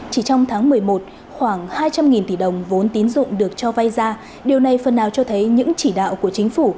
chỉ trong tháng một mươi một khoảng hai trăm linh tỷ đồng vốn tín dụng được cho vay ra điều này phần nào cho thấy những chỉ đạo của chính phủ